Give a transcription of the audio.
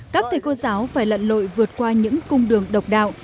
các thầy cô giáo phải lặn lội vượt qua những cung đường độc đạo